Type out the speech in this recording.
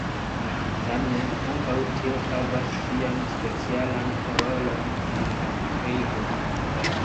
Tamen, ankaŭ tio havas sian specialan rolon en la intrigo.